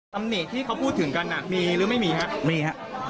ตำหนิที่เขาพูดถึงกันอ่ะมีหรือไม่มีค่ะ